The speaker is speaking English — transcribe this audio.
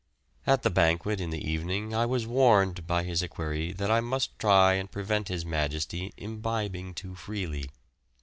At the banquet in the evening I was warned by his equerry that I must try and prevent His Majesty imbibing too freely.